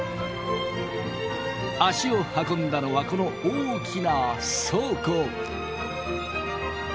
足を運んだのはこの大きな倉庫。